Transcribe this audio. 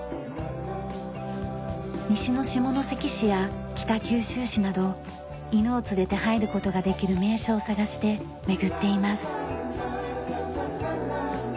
西の下関市や北九州市など犬を連れて入る事ができる名所を探してめぐっています。